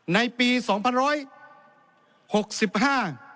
ในปีสองพันร้อยหกสิบห้า